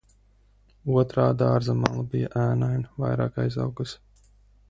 Otrā dārza mala bija ēnaina, vairāk aizaugusi.